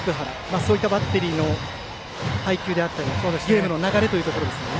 そういったバッテリーの配球であったりゲームの流れですね。